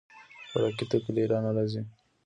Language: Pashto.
خوراکي توکي له ایران راځي.